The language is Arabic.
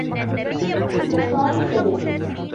كفِّ عن الكذب.